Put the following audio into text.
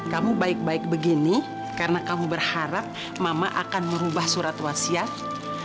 kamu baik baik begini karena kamu berharap mama akan merubah surat wasiat